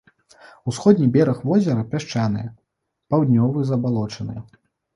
Усходні бераг возера пясчаныя, паўднёвы забалочаныя.